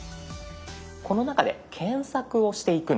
この中で検索をしていくんです。